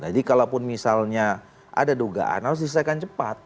jadi kalaupun misalnya ada dugaan harus diselesaikan cepat